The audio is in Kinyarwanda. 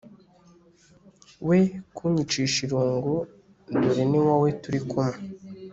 we kunyicisha irungu dore niwowe turikumwe